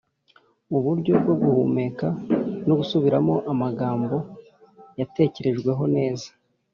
uburyo bwo guhumeka no gusubiramo amagambo yatekerejweho neza